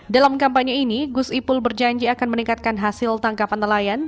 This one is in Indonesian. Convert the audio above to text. dalam kampanye ini gus ipul berjanji akan meningkatkan hasil tangkapan nelayan